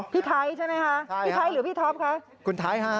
พี่ไทยใช่ไหมคะพี่ไทยหรือพี่ท็อปคะคุณไทยฮะ